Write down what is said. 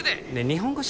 日本語